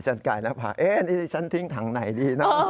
ฉันกลายนักภาพนี่ฉันทิ้งถังไหนดีนะ